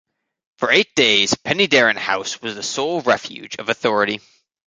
For eight days, Penydarren House was the sole refuge of authority.